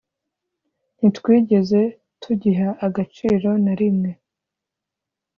ntitwigeze tugiha agaciro na rimwe